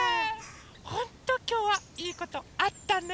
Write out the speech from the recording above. ほんときょうはいいことあったね。